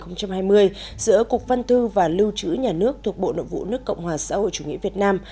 giữa cục văn thư và lưu trữ nhà nước thuộc bộ nội vụ nước cộng hòa xã hội chủ nghĩa việt nam